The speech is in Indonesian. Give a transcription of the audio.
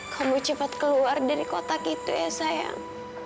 kamu cepat keluar dari kotak gitu ya sayang